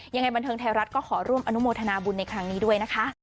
ยังไงบันเทิงไทยรัฐก็ขอร่วมอนุโมทนาบุญในครั้งนี้ด้วยนะคะ